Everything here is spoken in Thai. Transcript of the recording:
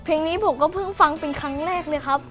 เพลงนี้ผมก็เพิ่งฟังเป็นครั้งแรกเลยครับ